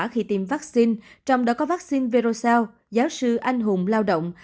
khi tiêm vắc xin trong đó có vắc xin virocell giáo sư anh hùng lao động